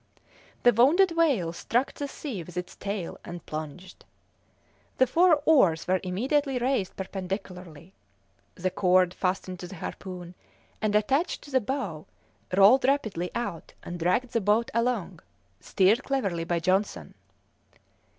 The wounded whale struck the sea with its tail and plunged. The four oars were immediately raised perpendicularly; the cord fastened to the harpoon, and attached to the bow, rolled rapidly out and dragged the boat along, steered cleverly by Johnson.